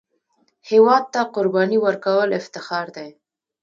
هېواد ته قرباني ورکول افتخار دی